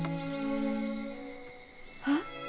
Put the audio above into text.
あっ。